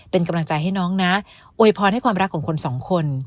เป็นกำลังใจให้น้องนะอวยพรให้ความรักของคนสองคน